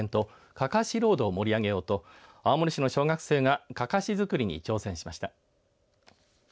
かかしロードを盛り上げようと青森市の小学生がかかし作りに挑戦しました。